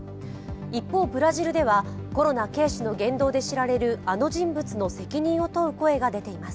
一方、ブラジルではコロナ軽視の言動で知られるあの人物の責任を問う声が出ています。